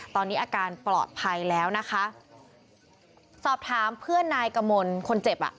ตอนนี้อาการปลอดภัยแล้วนะคะสอบถามเพื่อนนายกมลคนเจ็บอ่ะ